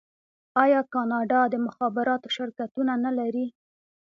آیا کاناډا د مخابراتو شرکتونه نلري؟